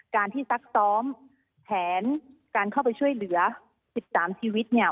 การที่ซักซ้อมแผนการเข้าไปช่วยเหลือ๑๓ชีวิตเนี่ย